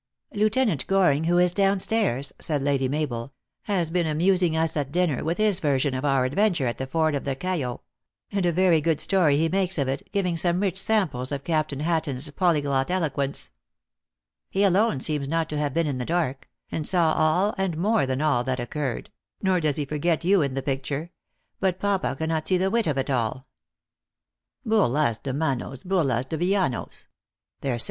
Lieutenant Goring, who is down stairs," said Lady Mabel, " has been amusing us at dinner with his ver sion of our adventure at the ford of the Cayo ; and a very good story he makes of it, giving some rich samples of Captain Hatton s polyglot eloquence. He, alone, seems not to have been in the dark ; and saw all, and more than all, that occurred nor does he forget you in the picture. But, papa cannot see the wit of it at all." " JSurlas de manos, lurlas de villanos. There sel 310 THE ACTRESS IN HIGH LIFE.